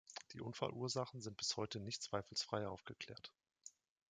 Die Unfallursachen sind bis heute nicht zweifelsfrei aufgeklärt.